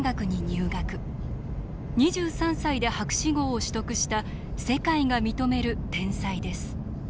２３歳で博士号を取得した世界が認める天才です。